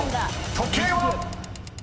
［時計は⁉］